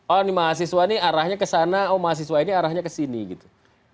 oh ini mahasiswa nih arahnya ke sana oh mahasiswa ini arahnya ke sini gitu